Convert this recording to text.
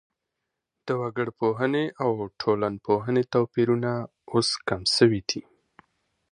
د وګړپوهني او ټولنپوهني توپيرونه اوس کم سوي دي.